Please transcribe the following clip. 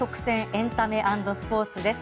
エンタメ＆スポーツです。